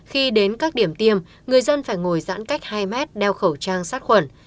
khi đến các điểm tiêm người dân phải ngồi giãn cách hai mét đeo khẩu trang sát khuẩn